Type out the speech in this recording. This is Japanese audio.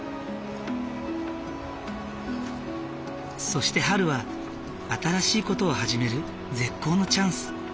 そして春は新しい事を始める絶好のチャンス。